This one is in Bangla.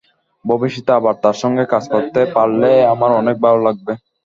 ভবিষ্যতে আবার তাঁর সঙ্গে কাজ করতে পারলে আমার অনেক ভালো লাগবে।